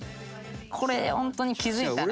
「これ本当に気付いたら」